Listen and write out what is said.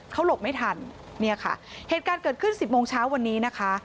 เขาหลบไม่ทันเนี่ยค่ะเหตุการณ์เกิดขึ้นสิบโมงเช้าวันนี้นะคะ